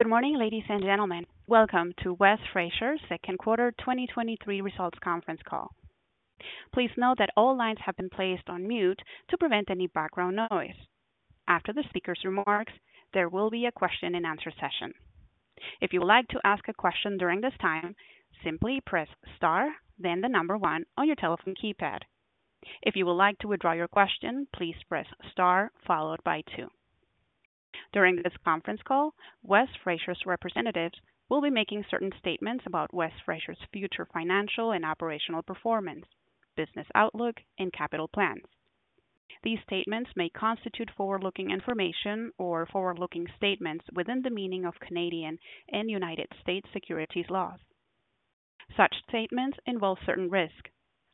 Good morning, ladies and gentlemen. Welcome to West Fraser's second quarter 2023 results conference call. Please note that all lines have been placed on mute to prevent any background noise. After the speaker's remarks, there will be a question and answer session. If you would like to ask a question during this time, simply press star, then the number 1 on your telephone keypad. If you would like to withdraw your question, please press star followed by 2. During this conference call, West Fraser's representatives will be making certain statements about West Fraser's future financial and operational performance, business outlook, and capital plans. These statements may constitute forward-looking information or forward-looking statements within the meaning of Canadian and United States securities laws. Such statements involve certain risks,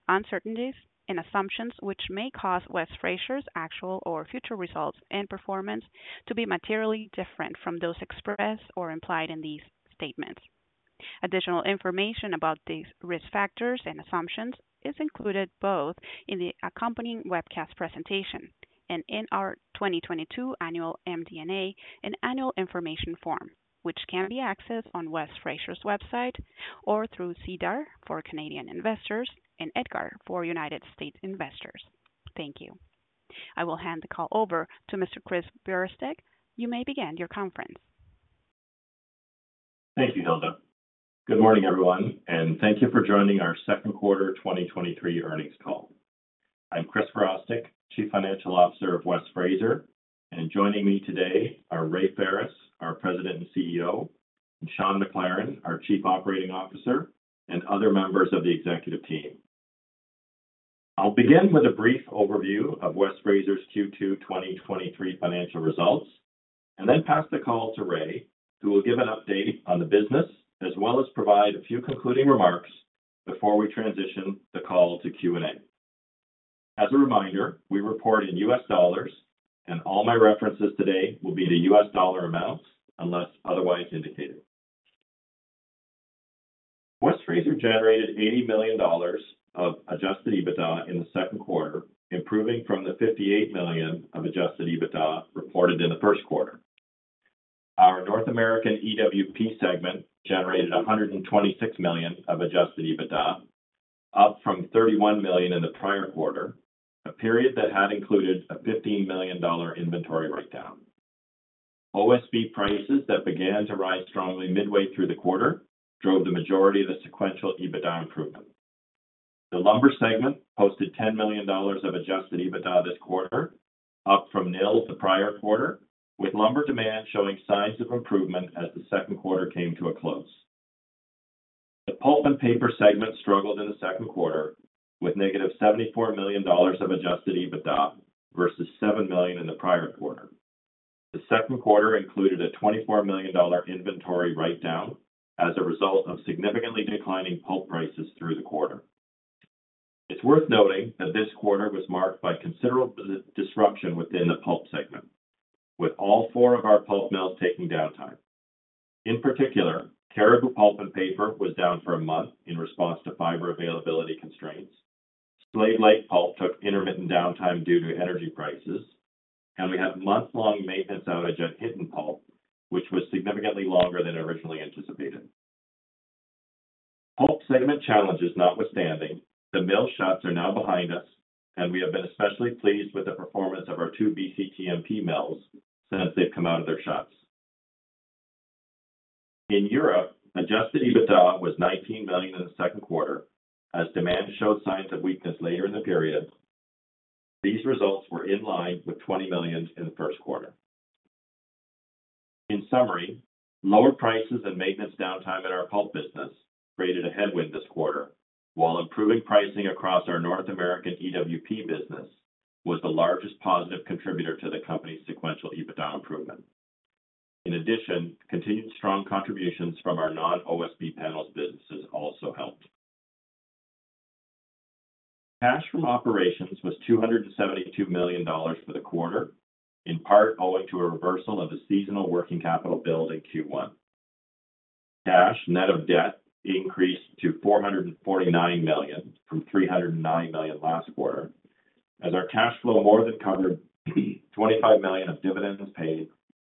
uncertainties, and assumptions, which may cause West Fraser's actual or future results and performance to be materially different from those expressed or implied in these statements. Additional information about these risk factors and assumptions is included both in the accompanying webcast presentation and in our 2022 Annual MD&A and Annual Information Form, which can be accessed on West Fraser's website or through SEDAR for Canadian investors and EDGAR for United States investors. Thank you. I will hand the call over to Mr. Chris Virostek. You may begin your conference. Thank you, Hilda. Good morning, everyone, and thank you for joining our second quarter 2023 earnings call. I'm Chris Virostek, Chief Financial Officer of West Fraser, and joining me today are Ray Ferris, our President and CEO, and Sean McLaren, our Chief Operating Officer, and other members of the executive team. I'll begin with a brief overview of West Fraser's Q2 2023 financial results, and then pass the call to Ray, who will give an update on the business, as well as provide a few concluding remarks before we transition the call to Q&A. As a reminder, we report in US dollars. All my references today will be to US dollar amounts unless otherwise indicated. West Fraser generated $80 million of Adjusted EBITDA in the second quarter, improving from the $58 million of Adjusted EBITDA reported in the first quarter. Our North American EWP segment generated $126 million of Adjusted EBITDA, up from $31 million in the prior quarter, a period that had included a $15 million inventory write-down. OSB prices that began to rise strongly midway through the quarter drove the majority of the sequential EBITDA improvement. The lumber segment posted $10 million of Adjusted EBITDA this quarter, up from nil the prior quarter, with lumber demand showing signs of improvement as the second quarter came to a close. The pulp and paper segment struggled in the second quarter with negative $74 million of Adjusted EBITDA versus $7 million in the prior quarter. The second quarter included a $24 million inventory write-down as a result of significantly declining pulp prices through the quarter. It's worth noting that this quarter was marked by considerable disruption within the pulp segment, with all four of our pulp mills taking downtime. In particular, Cariboo Pulp and Paper was down for a month in response to fiber availability constraints. Slave Lake Pulp took intermittent downtime due to energy prices, and we had a month-long maintenance outage at Hinton Pulp, which was significantly longer than originally anticipated. Pulp segment challenges notwithstanding, the mill shuts are now behind us, and we have been especially pleased with the performance of our two BCTMP mills since they've come out of their shuts. In Europe, Adjusted EBITDA was $19 million in the second quarter as demand showed signs of weakness later in the period. These results were in line with $20 million in the first quarter. In summary, lower prices and maintenance downtime in our pulp business created a headwind this quarter, while improving pricing across our North American EWP business was the largest positive contributor to the company's sequential EBITDA improvement. In addition, continued strong contributions from our non-OSB panels businesses also helped. Cash from operations was $272 million for the quarter, in part owing to a reversal of the seasonal working capital build in Q1. Cash, net of debt, increased to $449 million from $309 million last quarter, as our cash flow more than covered $25 million of dividends paid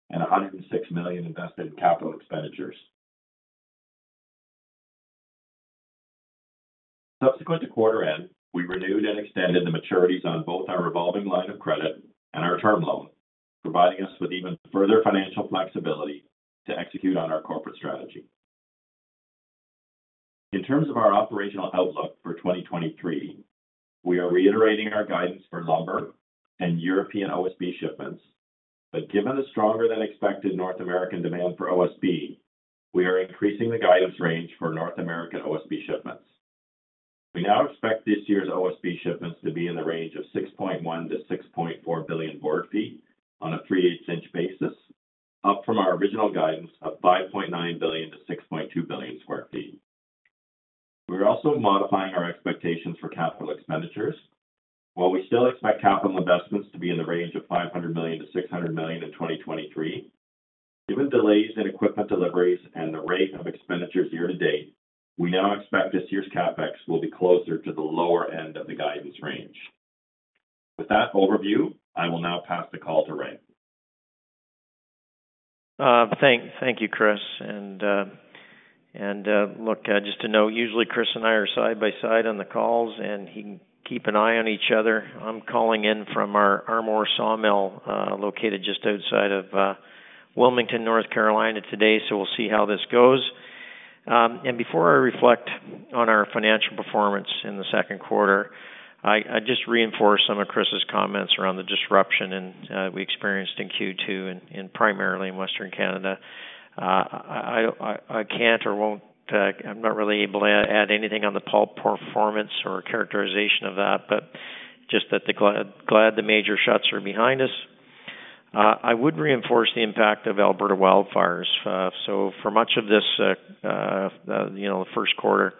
and $106 million invested in CapEx. Subsequent to quarter end, we renewed and extended the maturities on both our revolving line of credit and our term loan, providing us with even further financial flexibility to execute on our corporate strategy. In terms of our operational outlook for 2023, we are reiterating our guidance for lumber and European OSB shipments, but given the stronger-than-expected North American demand for OSB, we are increasing the guidance range for North American OSB shipments. We now expect this year's OSB shipments to be in the range of 6.1 billion-6.4 billion board feet on a 3/8-inch basis, up from our original guidance of 5.9 billion-6.2 billion square feet. We are also modifying our expectations for CapEx. While we still expect capital investments to be in the range of $500 million-$600 million in 2023, given delays in equipment deliveries and the rate of expenditures year to date, we now expect this year's CapEx will be closer to the lower end of the guidance range. With that overview, I will now pass the call to Ray. Thank you, Chris. Look, just to note, usually Chris and I are side by side on the calls, and he can keep an eye on each other. I'm calling in from our Armour sawmill, located just outside of Wilmington, North Carolina today, so we'll see how this goes. Before I reflect on our financial performance in the second quarter, I just reinforce some of Chris's comments around the disruption, we experienced in Q2 and primarily in Western Canada. I can't or won't, I'm not really able to add anything on the pulp performance or characterization of that, but just that the glad the major shuts are behind us. I would reinforce the impact of Alberta wildfires. For much of this, you know, first quarter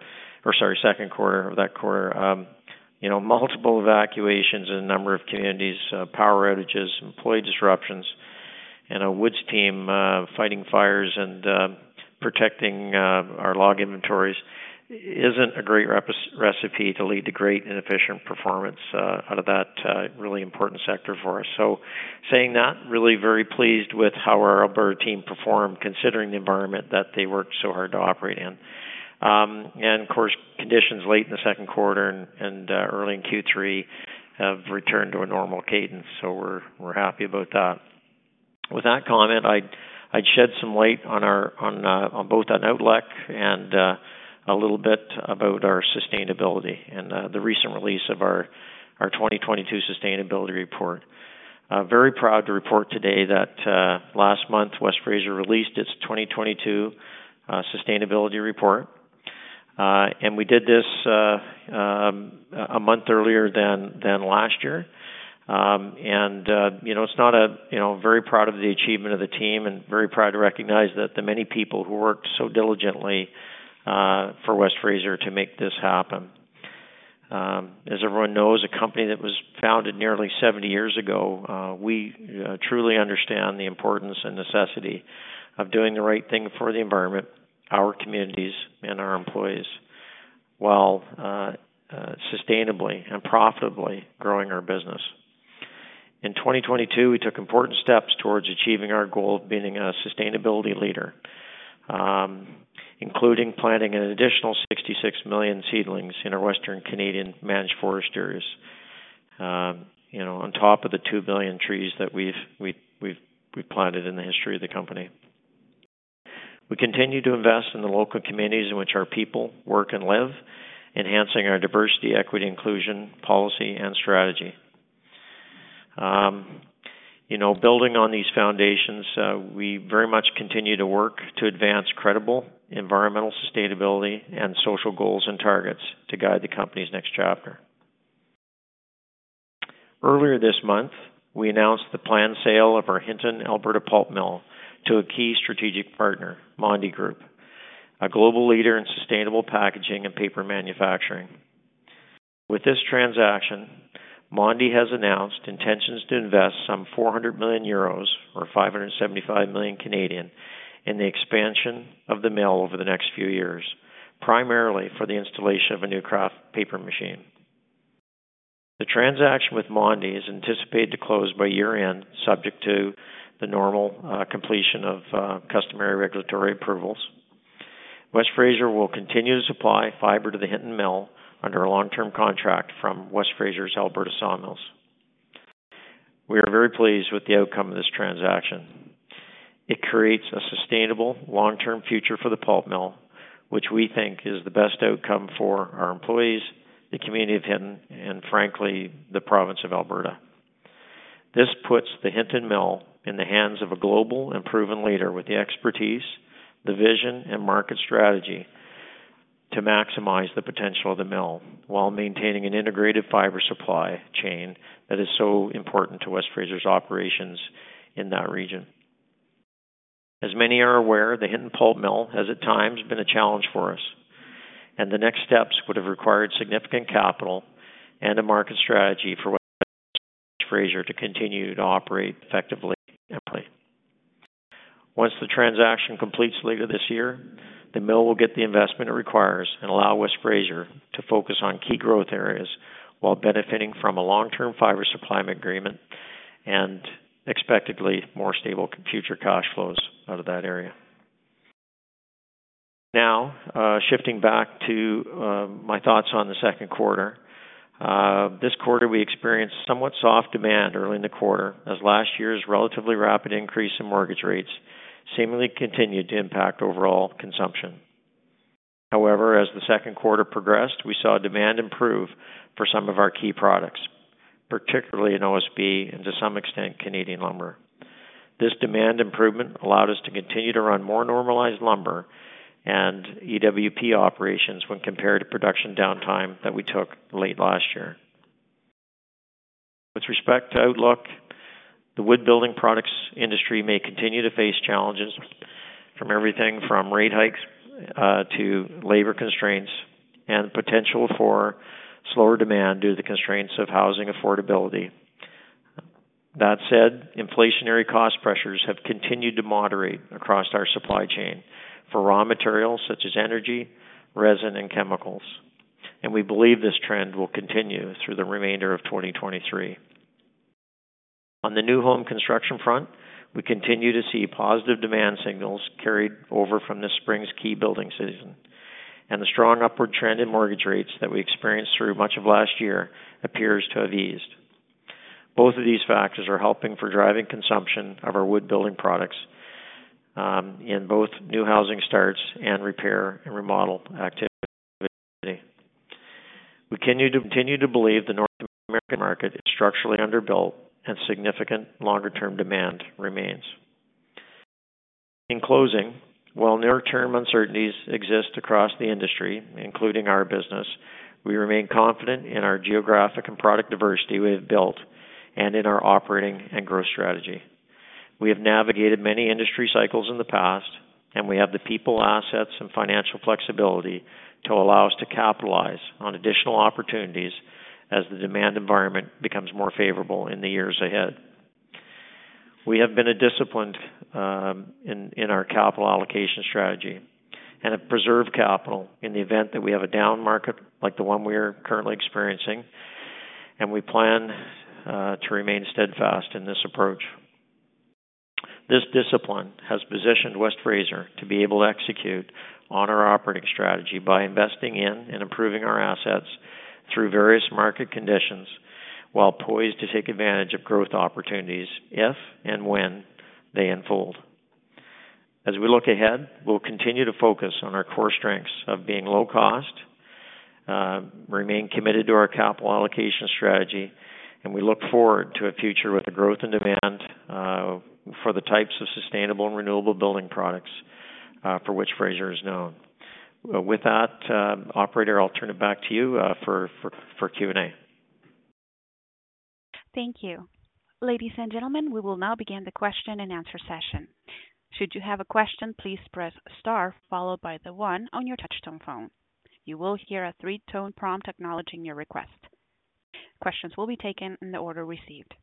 or, sorry, second quarter, that quarter, you know, multiple evacuations in a number of communities, power outages, employee disruptions, and a woods team fighting fires and protecting our log inventories isn't a great recipe to lead to great and efficient performance out of that really important sector for us. Saying that, really very pleased with how our Alberta team performed, considering the environment that they worked so hard to operate in. And of course, conditions late in the second quarter and early in Q3 have returned to a normal cadence, we're happy about that. With that comment, I'd shed some light on both on outlook and a little bit about our sustainability and the recent release of our 2022 sustainability report. Very proud to report today that last month, West Fraser released its 2022 sustainability report and we did this a month earlier than last year. You know, it's not a, you know, very proud of the achievement of the team and very proud to recognize that the many people who worked so diligently for West Fraser to make this happen. As everyone knows, a company that was founded nearly 70 years ago, we truly understand the importance and necessity of doing the right thing for the environment, our communities, and our employees, while sustainably and profitably growing our business. In 2022, we took important steps towards achieving our goal of being a sustainability leader, including planting an additional 66 million seedlings in our Western Canadian managed forests. You know, on top of the 2 billion trees that we've planted in the history of the company. We continue to invest in the local communities in which our people work and live, enhancing our diversity, equity, inclusion, policy, and strategy. You know, building on these foundations, we very much continue to work to advance credible environmental sustainability and social goals and targets to guide the company's next chapter. Earlier this month, we announced the planned sale of our Hinton, Alberta pulp mill to a key strategic partner, Mondi Group, a global leader in sustainable packaging and paper manufacturing. With this transaction, Mondi has announced intentions to invest some 400 million euros or 575 million in the expansion of the mill over the next few years, primarily for the installation of a new kraft paper machine. The transaction with Mondi is anticipated to close by year-end, subject to the normal completion of customary regulatory approvals. West Fraser will continue to supply fiber to the Hinton mill under a long-term contract from West Fraser's Alberta sawmills. We are very pleased with the outcome of this transaction. It creates a sustainable long-term future for the pulp mill, which we think is the best outcome for our employees, the community of Hinton, and frankly, the province of Alberta. This puts the Hinton mill in the hands of a global and proven leader with the expertise, the vision, and market strategy to maximize the potential of the mill while maintaining an integrated fiber supply chain that is so important to West Fraser's operations in that region. The next steps would have required significant capital and a market strategy for West Fraser to continue to operate effectively and play. Once the transaction completes later this year, the mill will get the investment it requires and allow West Fraser to focus on key growth areas while benefiting from a long-term fiber supply agreement and expectedly more stable future cash flows out of that area. Shifting back to my thoughts on the second quarter. This quarter, we experienced somewhat soft demand early in the quarter, as last year's relatively rapid increase in mortgage rates seemingly continued to impact overall consumption. However, as the second quarter progressed, we saw demand improve for some of our key products, particularly in OSB and to some extent, Canadian lumber. This demand improvement allowed us to continue to run more normalized lumber and EWP operations when compared to production downtime that we took late last year. With respect to outlook, the wood building products industry may continue to face challenges from everything from rate hikes to labor constraints and potential for slower demand due to the constraints of housing affordability. That said, inflationary cost pressures have continued to moderate across our supply chain for raw materials such as energy, resin, and chemicals, and we believe this trend will continue through the remainder of 2023. On the new home construction front, we continue to see positive demand signals carried over from this spring's key building season, and the strong upward trend in mortgage rates that we experienced through much of last year appears to have eased. Both of these factors are helping for driving consumption of our wood building products in both new housing starts and repair and remodel activity. We continue to believe the North American market is structurally underbuilt and significant longer-term demand remains. In closing, while near-term uncertainties exist across the industry, including our business, we remain confident in our geographic and product diversity we have built and in our operating and growth strategy. We have navigated many industry cycles in the past, and we have the people, assets, and financial flexibility to allow us to capitalize on additional opportunities as the demand environment becomes more favorable in the years ahead. We have been a disciplined in our capital allocation strategy and have preserved capital in the event that we have a down market like the one we are currently experiencing, and we plan to remain steadfast in this approach. This discipline has positioned West Fraser to be able to execute on our operating strategy by investing in and improving our assets through various market conditions, while poised to take advantage of growth opportunities if and when they unfold. As we look ahead, we'll continue to focus on our core strengths of being low cost, remain committed to our capital allocation strategy, and we look forward to a future with the growth and demand for the types of sustainable and renewable building products for which Fraser is known. With that, operator, I'll turn it back to you for Q&A. Thank you. Ladies and gentlemen, we will now begin the question-and-answer session. Should you have a question, please press Star followed by 1 on your touch-tone phone. You will hear a 3-tone prompt acknowledging your request. Questions will be taken in the order received.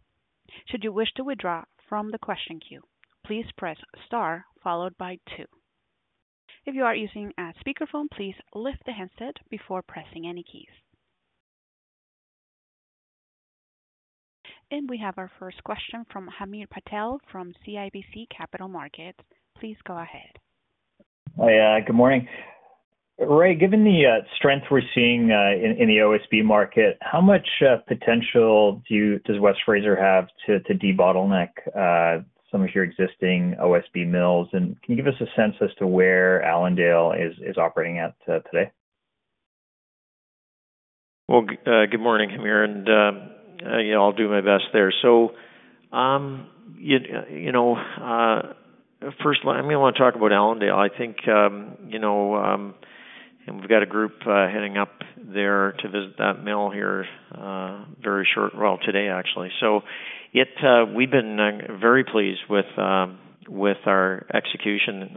Should you wish to withdraw from the question queue, please press Star followed by 2. If you are using a speakerphone, please lift the handset before pressing any keys. We have our first question from HHamir Patel from CIBC Capital Markets. Please go ahead. Hi, good morning. Ray, given the strength we're seeing in the OSB market, how much potential does West Fraser have to debottleneck some of your existing OSB mills? Can you give us a sense as to where Allendale is operating at today? Good morning, Hamir, and, yeah, I'll do my best there. You know, first I may want to talk about Allendale. I think, you know, and we've got a group heading up there to visit that mill here, well, today, actually. It, we've been very pleased with our execution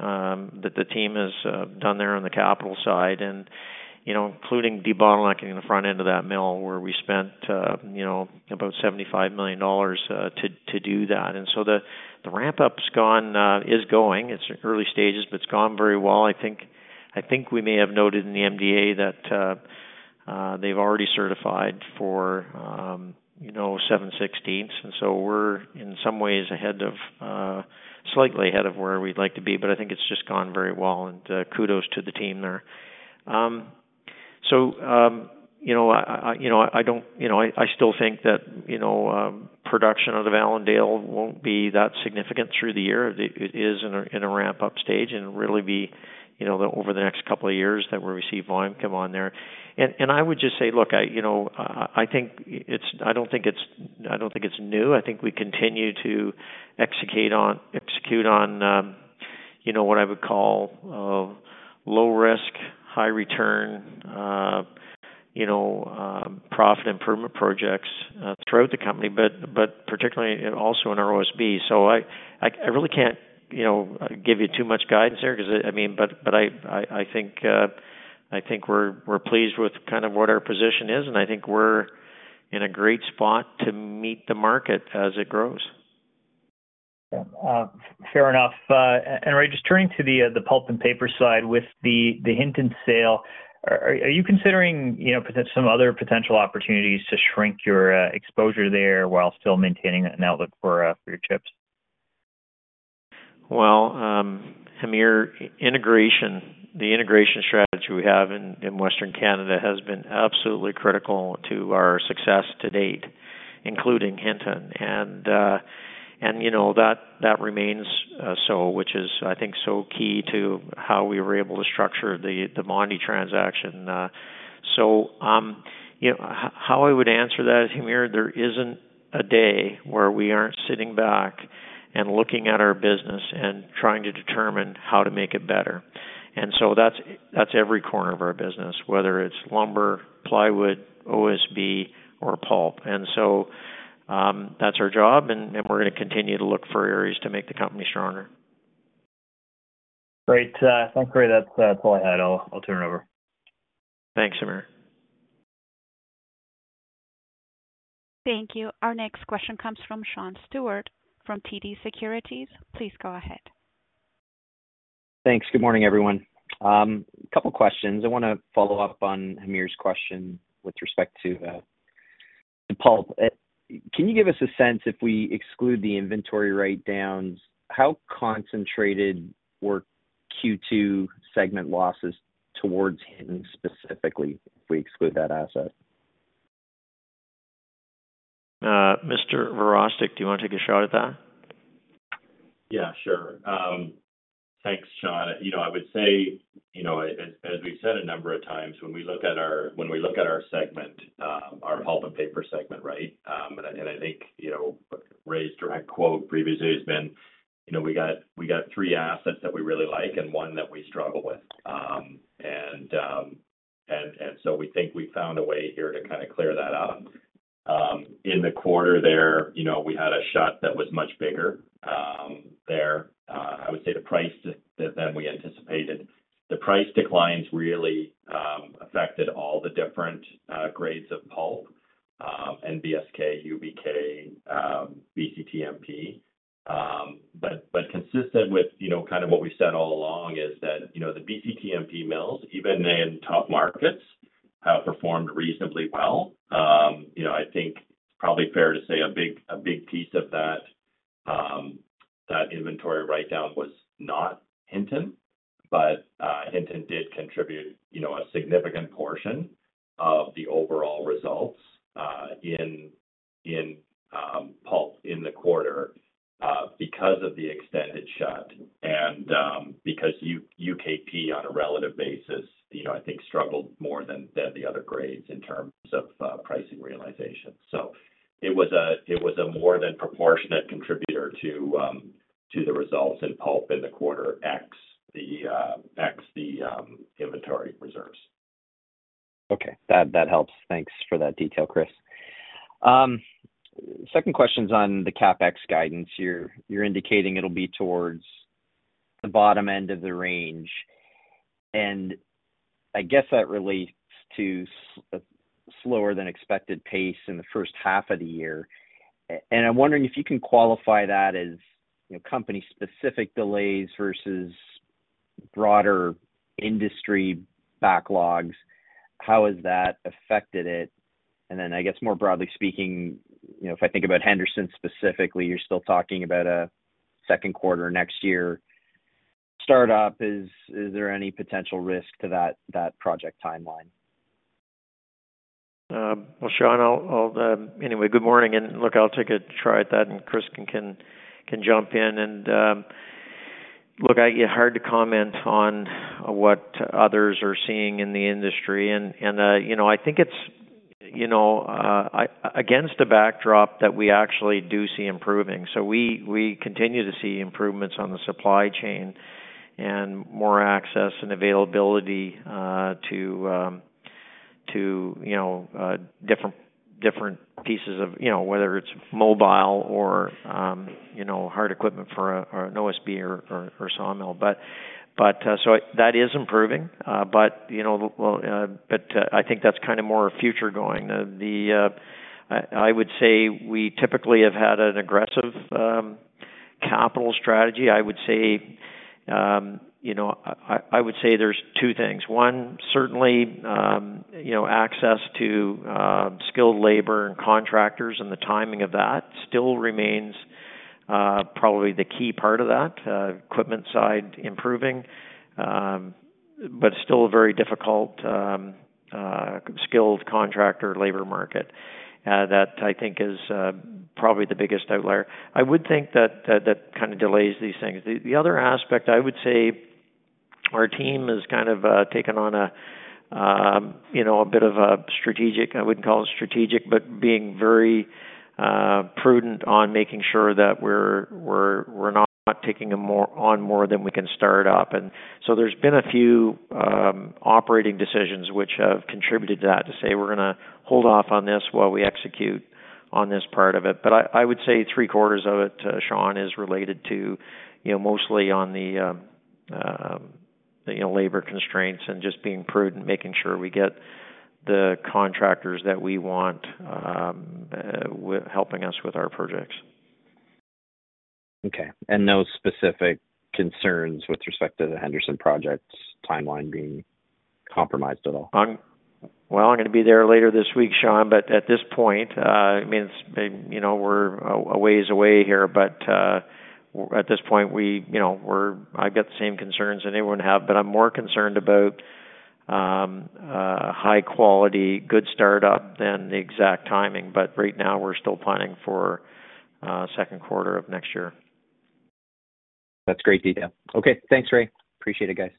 that the team has done there on the capital side and, you know, including debottlenecking the front end of that mill, where we spent, you know, about $75 million to do that. The ramp-up's gone, is going. It's early stages, but it's gone very well. I think we may have noted in the MDA that they've already certified for, you know, seven sixteenths. We're in some ways ahead of slightly ahead of where we'd like to be, but I think it's just gone very well, and kudos to the team there. You know, you know, I still think that, you know, production out of Allendale won't be that significant through the year. It is in a ramp-up stage and really be, you know, over the next couple of years that we'll receive volume come on there. I would just say, look, I, you know, I don't think it's new. I think we continue to execute on, you know, what I would call, low risk, high return, you know, profit improvement projects throughout the company, but particularly also in our OSB. I really can't, you know, give you too much guidance there because, I mean, but I think, I think we're pleased with kind of what our position is, and I think we're in a great spot to meet the market as it grows. Yeah, fair enough. Ray, just turning to the pulp and paper side with the Hinton sale, are you considering, you know, some other potential opportunities to shrink your exposure there while still maintaining an outlook for your chips? Well, Hamir, integration, the integration strategy we have in Western Canada has been absolutely critical to our success to date, including Hinton, and you know, that remains so, which is, I think, so key to how we were able to structure the Mondi transaction. So, you know, how I would answer that, Hamir, there isn't a day where we aren't sitting back and looking at our business and trying to determine how to make it better. So that's every corner of our business, whether it's lumber, plywood, OSB, or pulp. So that's our job, and we're gonna continue to look for areas to make the company stronger. Great. Sounds great. That's all I had. I'll turn it over. Thanks, HHamir. Thank you. Our next question comes from Sean Steuart from TD Securities. Please go ahead. Thanks. Good morning, everyone. A couple questions. I wanna follow up on HHamir's question with respect to the pulp. Can you give us a sense, if we exclude the inventory write-downs, how concentrated were Q2 segment losses towards Hinton specifically, if we exclude that asset? Mr. Virostek, do you wanna take a shot at that? Yeah, sure. Thanks, Sean Steuart. You know, I would say, you know, as, as we've said a number of times, when we look at our segment, our pulp and paper segment, right? I, and I think, you know, Ray's direct quote previously has been, "You know, we got, we got three assets that we really like and one that we struggle with." We think we found a way here to kind of clear that out. In the quarter there, you know, we had a shot that was much bigger there. I would say the price that than we anticipated. The price declines really affected all the different grades of pulp, and BSK, UBK, BCTMP. Consistent with, you know, kind of what we said all along is that, you know, the BCTMP mills, even in top markets, performed reasonably well. You know, I think it's probably fair to say a big piece of that inventory write-down was not Hinton, but Hinton did contribute, you know, a significant portion of the overall results in pulp in the quarter because of the extended shut and because UKP, on a relative basis, you know, I think struggled more than the other grades in terms of pricing realization. It was a more than proportionate contributor to the results in pulp in the quarter X, the inventory reserves. Okay. That helps. Thanks for that detail, Chris. Second question's on the CapEx guidance. You're indicating it'll be towards the bottom end of the range, I guess that relates to a slower than expected pace in the first half of the year. I'm wondering if you can qualify that as, you know, company-specific delays versus broader industry backlogs. How has that affected it? Then, I guess, more broadly speaking, you know, if I think about Henderson specifically, you're still talking about a second quarter next year start up. Is there any potential risk to that project timeline? Well, Sean, anyway, good morning, and look, I'll take a try at that, and Chris can jump in. Look, I, hard to comment on what others are seeing in the industry and, you know, I think it's, you know, against a backdrop that we actually do see improving. We continue to see improvements on the supply chain and more access and availability to, to, you know, different pieces of, you know, whether it's mobile or, you know, hard equipment for a, an OSB or sawmill. But, that is improving. But, you know, well, but, I think that's kind of more future going. The, I would say we typically have had an aggressive capital strategy. I would say, you know, I would say there's two things. One, certainly, you know, access to skilled labor and contractors, and the timing of that still remains probably the key part of that equipment side improving, but still a very difficult skilled contractor labor market. That I think is probably the biggest outlier. I would think that kind of delays these things. The other aspect I would say, our team has kind of taken on a, you know, a bit of a strategic, I wouldn't call it strategic, but being very prudent on making sure that we're not taking on more than we can start up. There's been a few operating decisions which have contributed to that, to say: We're gonna hold off on this while we execute on this part of it. I would say three-quarters of it, Sean, is related to, you know, mostly on the, you know, labor constraints and just being prudent, making sure we get the contractors that we want with helping us with our projects. Okay. No specific concerns with respect to the Henderson project's timeline being compromised at all? Well, I'm gonna be there later this week, Sean, but at this point, I mean, it's, you know, we're a, a ways away here, but at this point, we, you know, I've got the same concerns anyone would have, but I'm more concerned about high quality, good startup than the exact timing. Right now, we're still planning for second quarter of next year. That's great detail. Okay, thanks, Ray. Appreciate it, guys.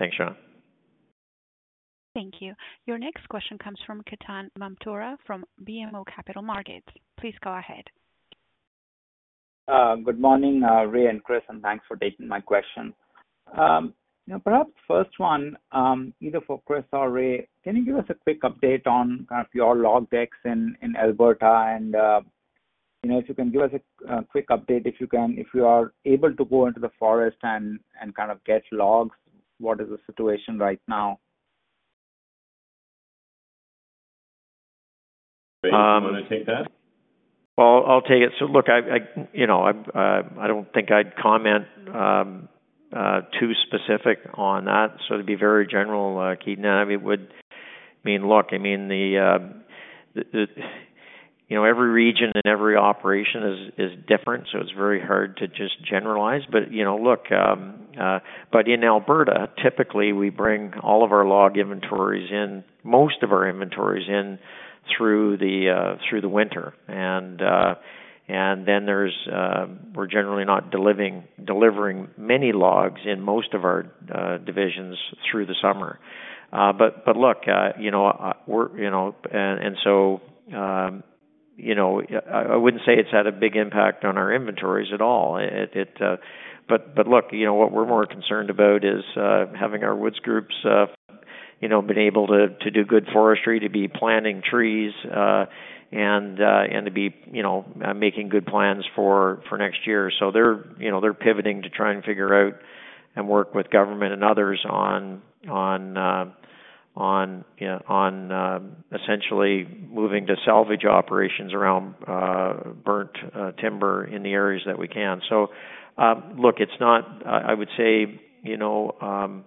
Thanks, Sean. Thank you. Your next question comes from Ketan Mamtora from BMO Capital Markets. Please go ahead. Good morning, Ray and Chris, thanks for taking my question. Perhaps first one, either for Chris or Ray, can you give us a quick update on kind of your log decks in Alberta, you know, if you can give us a quick update, if you can, if you are able to go into the forest and kind of get logs, what is the situation right now? Ray, you want to take that? Well, I'll take it. Look, I, I, you know, I don't think I'd comment too specific on that. To be very general, ketan, I mean, look, I mean, the, the, you know, every region and every operation is different, so it's very hard to just generalize. You know, look, but in Alberta, typically, we bring all of our log inventories in, most of our inventories in through the winter. Then there's, we're generally not delivering many logs in most of our divisions through the summer. Look, you know, we're, you know. So, you know, I, I wouldn't say it's had a big impact on our inventories at all. It, but look, you know, what we're more concerned about is having our woods groups, you know, being able to do good forestry, to be planting trees, and to be, you know, making good plans for next year. They're, you know, they're pivoting to try and figure out and work with government and others on, essentially moving to salvage operations around burnt timber in the areas that we can. Look, it's not, I would say, you know,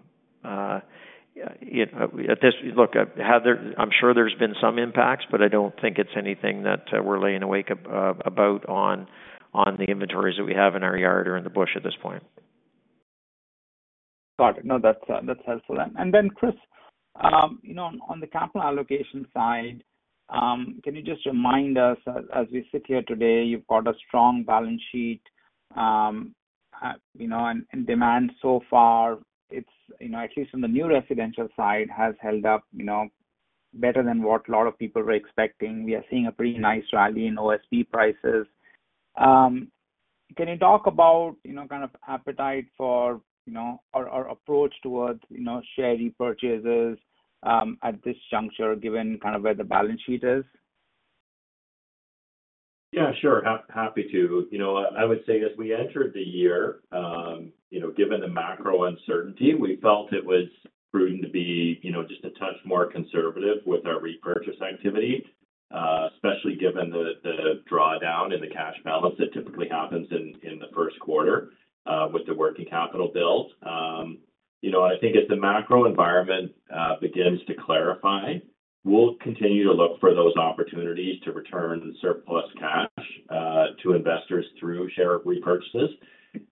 look, I'm sure there's been some impacts, but I don't think it's anything that, we're laying awake about on the inventories that we have in our yard or in the bush at this point. Got it. No, that's helpful then. Chris, you know, on, on the capital allocation side, can you just remind us as, as we sit here today, you've got a strong balance sheet, you know, and, and demand so far, it's, you know, at least from the new residential side, has held up, you know, better than what a lot of people were expecting. We are seeing a pretty nice rally in OSB prices. Can you talk about, you know, kind of appetite for, you know, or, or approach towards, you know, share repurchases, at this juncture, given kind of where the balance sheet is? Yeah, sure. Happy to. You know, I would say as we entered the year, you know, given the macro uncertainty, we felt it was prudent to be, you know, just a touch more conservative with our repurchase activity, especially given the drawdown in the cash balance that typically happens in the first quarter, with the working capital build. You know, I think as the macro environment begins to clarify, we'll continue to look for those opportunities to return surplus cash to investors through share repurchases.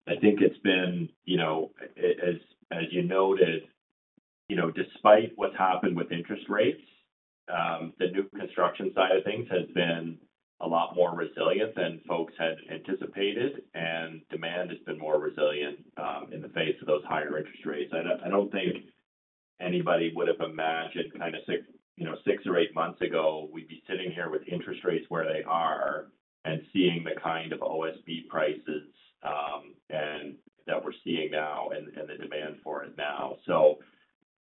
I think it's been, you know, as, as you noted, you know, despite what's happened with interest rates, the new construction side of things has been a lot more resilient than folks had anticipated, and demand has been more resilient, in the face of those higher interest rates. I don't think anybody would have imagined kind of six, you know, six or eight months ago, we'd be sitting here with interest rates where they are and seeing the kind of OSB prices, and that we're seeing now and the demand for it now.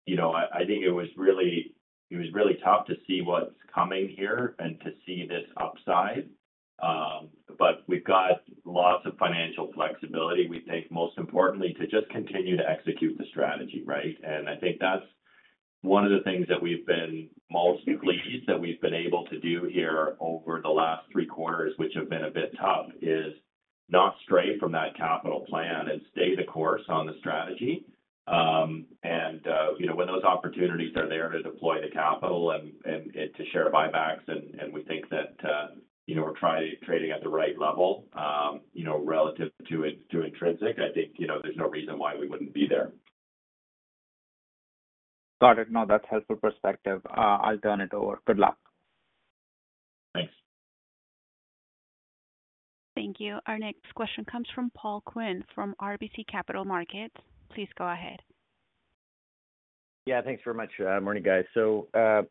you know, I, I think it was really, it was really tough to see what's coming here and to see this upside. We've got lots of financial flexibility, we think, most importantly, to just continue to execute the strategy, right? I think that's one of the things that we've been most pleased that we've been able to do here over the last three quarters, which have been a bit tough, is not stray from that capital plan and stay the course on the strategy. you know, when those opportunities are there to deploy the capital and to share buybacks, and we think that, you know, we're trading at the right level, you know, relative to to intrinsic, I think, you know, there's no reason why we wouldn't be there. Got it. No, that's helpful perspective. I'll turn it over. Good luck. Thanks. Thank you. Our next question comes from Paul Quinn, from RBC Capital Markets. Please go ahead. Thanks very much. Morning, guys.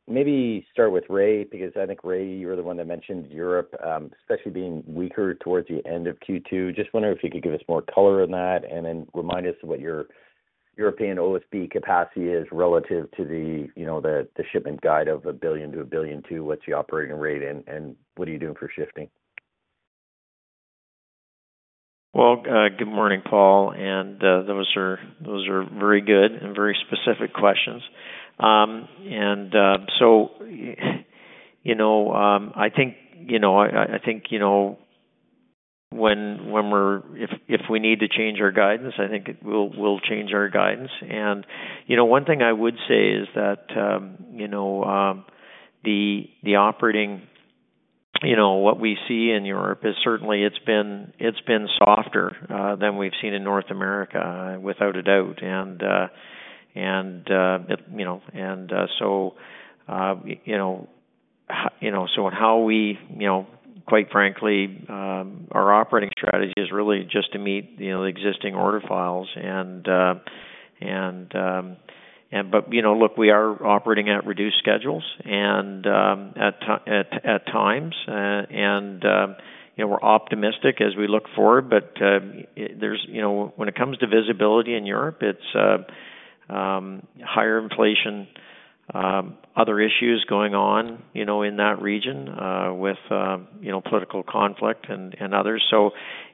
Maybe start with Ray, because I think, Ray, you were the one that mentioned Europe, especially being weaker towards the end of Q2. Just wondering if you could give us more color on that, and then remind us what your European OSB capacity is relative to the shipment guide of $1 billion-$1.2 billion. What's the operating rate, and what are you doing for shifting? Well, good morning, Paul, and those are very good and very specific questions. So, you know, I think, you know, I think, you know, when we're if we need to change our guidance, I think we'll change our guidance. You know, one thing I would say is that, you know, the operating, you know, what we see in Europe is certainly it's been softer, than we've seen in North America, without a doubt. It, you know, and, so, you know, you know, so on how we. You know, quite frankly, our operating strategy is really just to meet, you know, the existing order files and, but, you know, look, we are operating at reduced schedules and at times, you know, we're optimistic as we look forward. You know, when it comes to visibility in Europe, it's higher inflation, other issues going on, you know, in that region, with, you know, political conflict and others.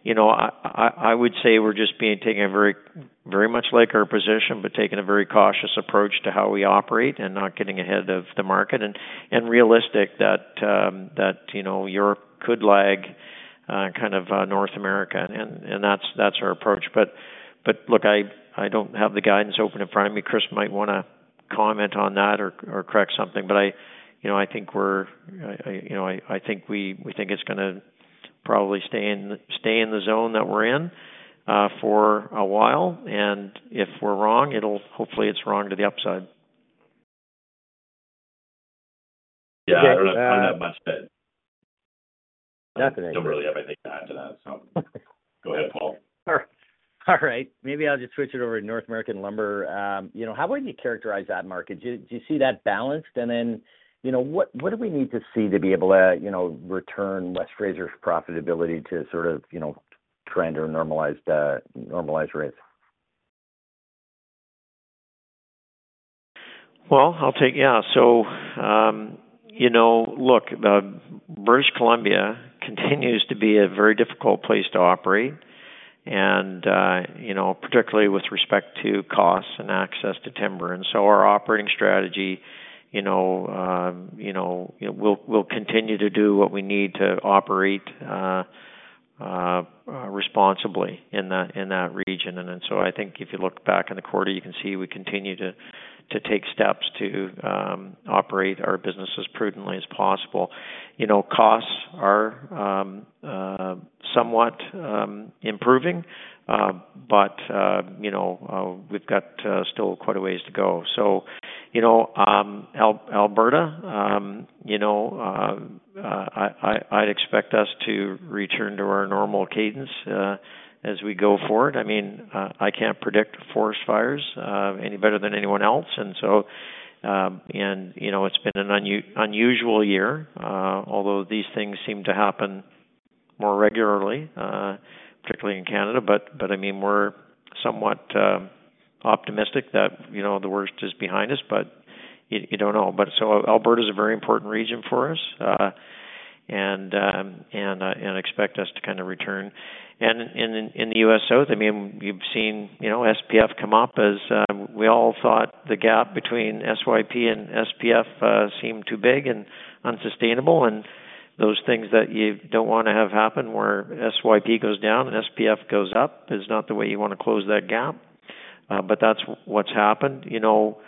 You know, I would say we're just being, taking a very much like our position, but taking a very cautious approach to how we operate and not getting ahead of the market, and realistic that, that, you know, Europe could lag, kind of, North America. That's our approach. Look, I don't have the guidance open in front of me. Chris might wanna comment on that or correct something. I, you know, I think we think it's gonna probably stay in the zone that we're in for a while, and if we're wrong, it'll hopefully it's wrong to the upside. Yeah, I don't have that much. Definitely. Don't really have anything to add to that. Go ahead, Paul. All right. All right, maybe I'll just switch it over to North American Lumber. You know, how would you characterize that market? Do you see that balanced? You know, what do we need to see to be able to, you know, return West Fraser's profitability to sort of, you know, trend or normalized rates? You know, look, British Columbia continues to be a very difficult place to operate, and, you know, particularly with respect to costs and access to timber. Our operating strategy, you know, we'll continue to do what we need to operate responsibly in that region. I think if you look back in the quarter, you can see we continue to take steps to operate our business as prudently as possible. You know, costs are somewhat improving, but, you know, we've got still quite a ways to go. You know, Alberta, you know, I'd expect us to return to our normal cadence as we go forward. I mean, I can't predict forest fires any better than anyone else. You know, it's been an unusual year, although these things seem to happen more regularly, particularly in Canada. I mean, we're somewhat optimistic that, you know, the worst is behind us, but you don't know. Alberta is a very important region for us, and expect us to kind of return. In the US South, I mean, you've seen, you know, SPF come up as we all thought the gap between SYP and SPF seemed too big and unsustainable. Those things that you don't want to have happen, where SYP goes down and SPF goes up, is not the way you want to close that gap, but that's what's happened. You know,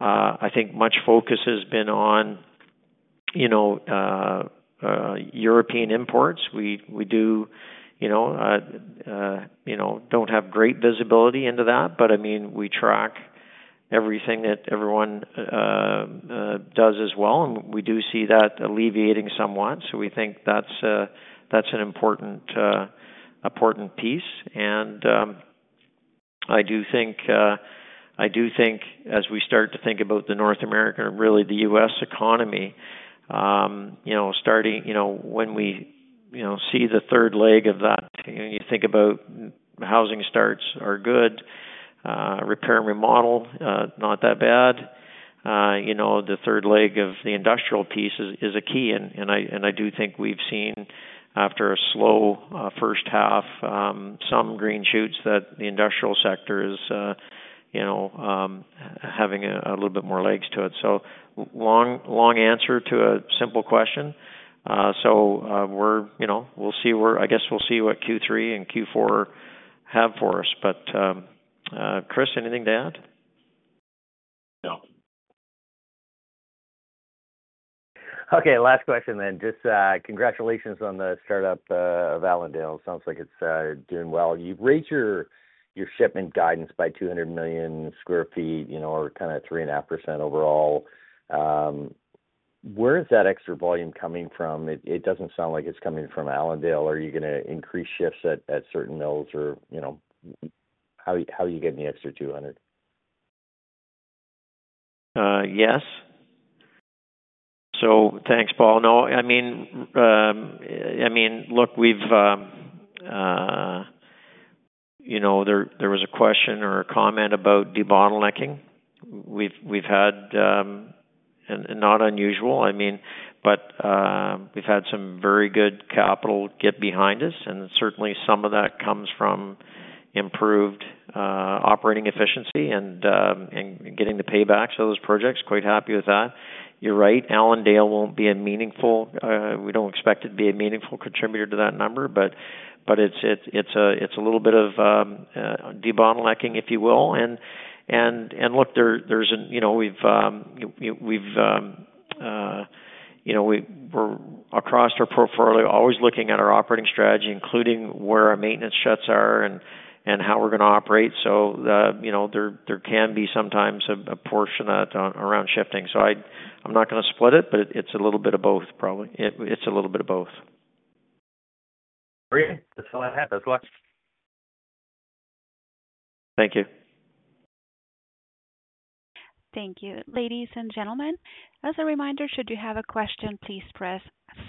I think much focus has been on, you know, European imports. We do, you know, don't have great visibility into that, but I mean, we track everything that everyone does as well, and we do see that alleviating somewhat. We think that's an important, important piece. I do think as we start to think about North America, really the US economy, you know, starting. You know, when we, you know, see the third leg of that, you think about housing starts are good, repair and remodel, not that bad. you know, the third leg of the industrial piece is, is a key, and, and I, and I do think we've seen, after a slow, first half, some green shoots that the industrial sector is, you know, having a little bit more legs to it. Long, long answer to a simple question. We're, you know, I guess we'll see what Q3 and Q4 have for us. Chris, anything to add? No. Last question then. Just congratulations on the startup of Allendale. Sounds like it's doing well. You've raised your shipment guidance by 200 million sq ft, you know, or kind of 3.5% overall. Where is that extra volume coming from? It doesn't sound like it's coming from Allendale. Are you gonna increase shifts at certain mills or, you know, how are you getting the extra 200? Yes. Thanks, Paul. I mean, look, we've, you know, there was a question or a comment about debottlenecking. We've had, not unusual, I mean, we've had some very good capital get behind us, certainly some of that comes from improved operating efficiency and getting the payback. Those projects, quite happy with that. You're right, Allendale won't be a meaningful, we don't expect it to be a meaningful contributor to that number, but it's a little bit of debottlenecking, if you will. Look, there's, you know, we've, you know, we're across our portfolio, always looking at our operating strategy, including where our maintenance shuts are and how we're gonna operate. The, you know, there can be sometimes a, a portion of that around shifting. I'm not gonna split it, but it's a little bit of both, probably. It's a little bit of both. Great. That's all I had. Thanks a lot. Thank you. Thank you. Ladies and gentlemen, as a reminder, should you have a question, please press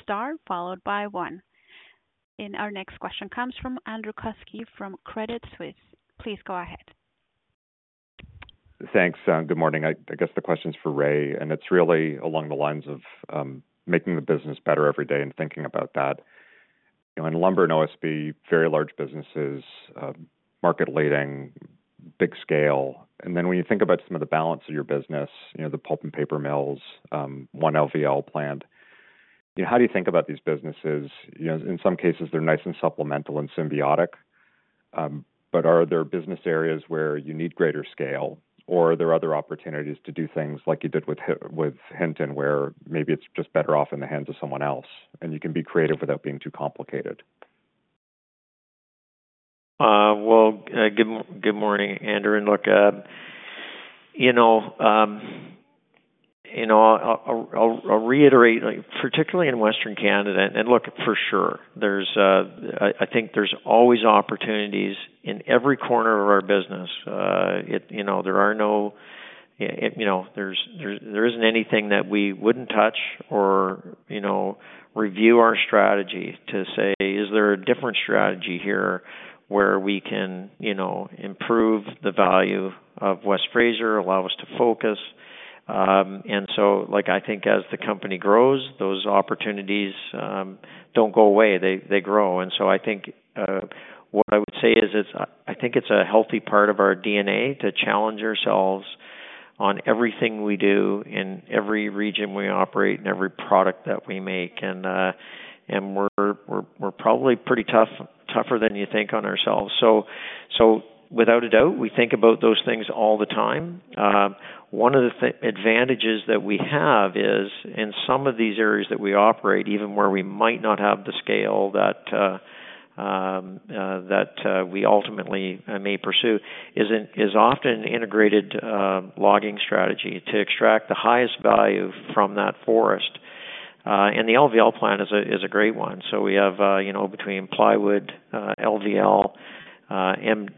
Star followed by one. Our next question comes from Andrew Kuske from Credit Suisse. Please go ahead. Thanks, good morning. I guess the question is for Ray, and it's really along the lines of making the business better every day and thinking about that. You know, in lumber and OSB, very large businesses, market-leading, big scale. When you think about some of the balance of your business, you know, the pulp and paper mills, 1 LVL plant, you know, how do you think about these businesses? You know, in some cases, they're nice and supplemental and symbiotic, but are there business areas where you need greater scale? Are there other opportunities to do things like you did with Hinton, where maybe it's just better off in the hands of someone else, and you can be creative without being too complicated? Well, good, good morning, Andrew, and look, you know, I'll reiterate, like, particularly in Western Canada, and look, for sure, there's, I, I think there's always opportunities in every corner of our business. You know, there are no, you know, there isn't anything that we wouldn't touch or, you know, review our strategy to say: Is there a different strategy here where we can, you know, improve the value of West Fraser, allow us to focus? Like, I think as the company grows, those opportunities don't go away. They grow. I think, what I would say is it's, I think it's a healthy part of our DNA to challenge ourselves on everything we do in every region we operate and every product that we make. We're probably pretty tough, tougher than you think on ourselves. Without a doubt, we think about those things all the time. One of the advantages that we have is, in some of these areas that we operate, even where we might not have the scale that we ultimately may pursue, is often integrated logging strategy to extract the highest value from that forest. The LVL plant is a great one. We have, you know, between plywood, LVL, and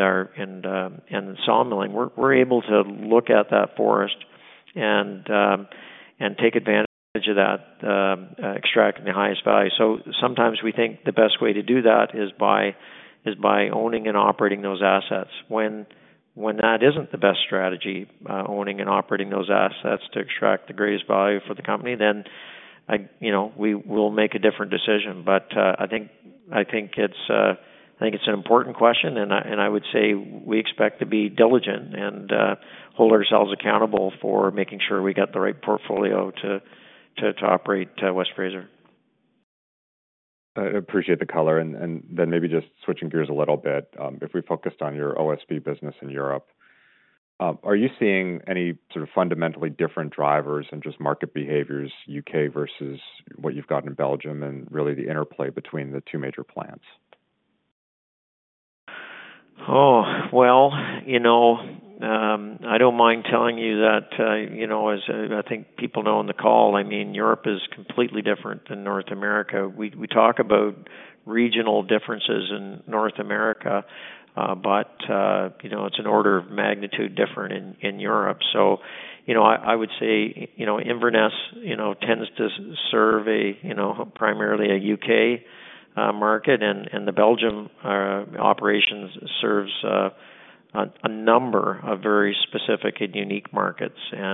our and the sawmilling, we're able to look at that forest and take advantage of that, extracting the highest value. Sometimes we think the best way to do that is by owning and operating those assets. When that isn't the best strategy, owning and operating those assets to extract the greatest value for the company, then, you know, we will make a different decision. I think it's, I think it's an important question, and I, and I would say we expect to be diligent and hold ourselves accountable for making sure we got the right portfolio to operate West Fraser. I appreciate the color. Then maybe just switching gears a little bit, if we focused on your OSB business in Europe, are you seeing any sort of fundamentally different drivers and just market behaviors, UK versus what you've got in Belgium and really the interplay between the two major plants? Well, you know, I don't mind telling you that, you know, as I think people know on the call, I mean, Europe is completely different than North America. We talk about regional differences in North America, but, you know, it's an order of magnitude different in Europe. You know, I would say, you know, Inverness, you know, tends to serve a, you know, primarily a UK market, and the Belgium operations serves a number of very specific and unique markets. You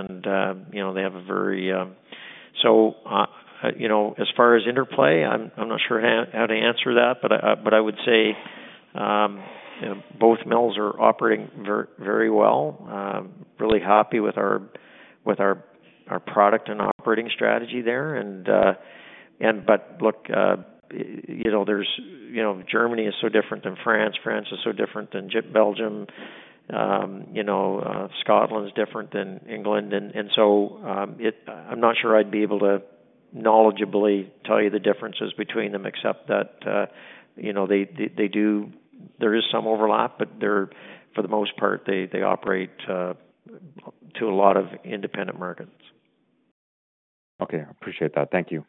know, they have a very. You know, as far as interplay, I'm not sure how to answer that, but I would say both mills are operating very well. Really happy with our product and operating strategy there. But look, you know, there's Germany is so different than France. France is so different than Belgium. You know, Scotland is different than England. So, I'm not sure I'd be able to knowledgeably tell you the differences between them, except that, you know, they do. There is some overlap, but they're, for the most part, they operate to a lot of independent Americans. Okay, appreciate that. Thank you.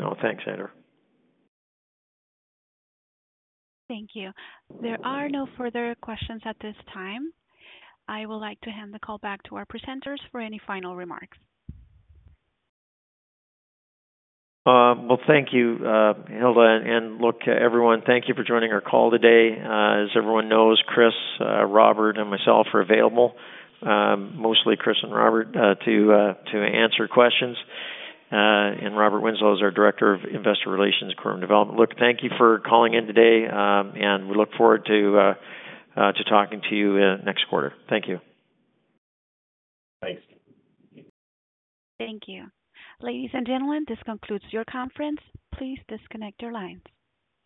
Oh, thanks, Andrew. Thank you. There are no further questions at this time. I would like to hand the call back to our presenters for any final remarks. Well, thank you, Hilda. Look, everyone, thank you for joining our call today. As everyone knows, Chris, Robert, and myself are available, mostly Chris and Robert, to answer questions. Robert Winslow is our director of Investor Relations Corporate Development. Look, thank you for calling in today, and we look forward to talking to you next quarter. Thank you. Thanks. Thank you. Ladies and gentlemen, this concludes your conference. Please disconnect your lines.